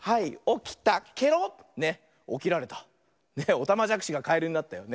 おたまじゃくしがカエルになったよ。ね。